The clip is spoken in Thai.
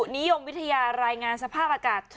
นิยมวิทยารายงานสภาพอากาศ